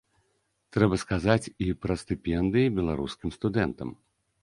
Трэба сказаць і пра стыпендыі беларускім студэнтам.